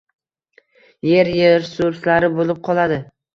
– yer resurslari bo‘lib qoladi.